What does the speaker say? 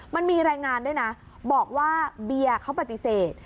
มันมีรายงานด้วยนะบอกว่าเบียร์เขาปฏิเสธ